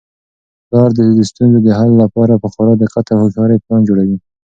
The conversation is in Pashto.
پلار د ستونزو د حل لپاره په خورا دقت او هوښیارۍ پلان جوړوي.